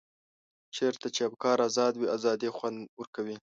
چېرته چې افکار ازاد وي ازادي خوند ورکوي.